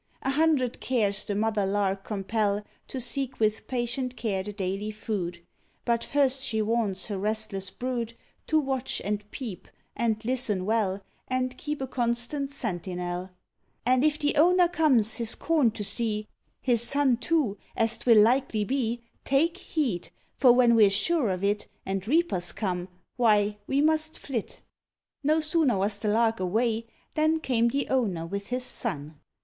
A hundred cares the mother Lark compel To seek with patient care the daily food; But first she warns her restless brood To watch, and peep, and listen well, And keep a constant sentinel; "And if the owner comes his corn to see, His son, too, as 'twill likely be, Take heed, for when we're sure of it, And reapers come, why, we must flit." No sooner was the Lark away, Than came the owner with his son.